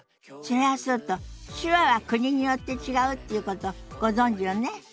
それはそうと手話は国によって違うっていうことご存じよね？